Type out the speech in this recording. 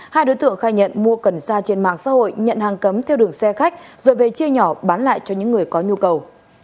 hai đối tượng khai nhận mua cần sa trên mạng xã hội nhận hàng cấm theo đường xe khách rồi về chia nhỏ bán lại cho những người có nhu cầu